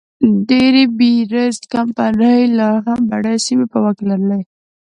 ډي بیرز کمپنۍ لا هم بډایه سیمې په واک کې لرلې.